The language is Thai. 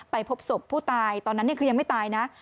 พบศพผู้ตายตอนนั้นคือยังไม่ตายนะ